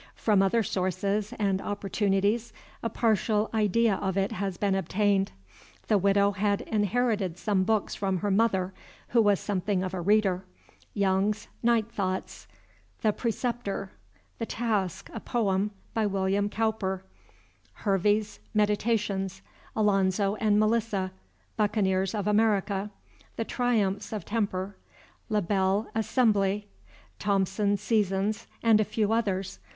From other sources and opportunities a partial idea of it has been obtained. The Widow had inherited some books from her mother, who was something of a reader: Young's "Night Thoughts;" "The Preceptor;" "The Task, a Poem," by William Cowper; Hervey's "Meditations;" "Alonzo and Melissa;" "Buccaneers of America;" "The Triumphs of Temper;" "La Belle Assemblee;" Thomson's "Seasons;" and a few others.